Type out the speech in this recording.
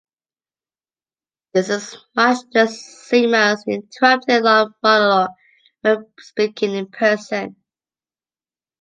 This is much the same as interrupting a long monologue when speaking in person.